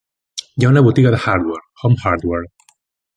Hi ha una botiga de hardware: Home Hardware.